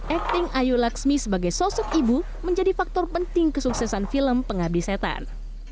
acting ayu laksmi sebagai sosok ibu menjadi faktor penting kesuksesan film penghabi setan